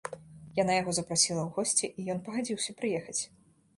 Яна яго запрасіла ў госці і ён пагадзіўся прыехаць.